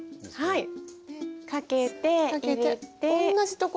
はい。